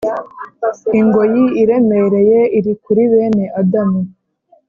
ingoyi iremereye iri kuri bene Adamu,